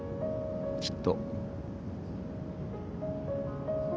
きっと。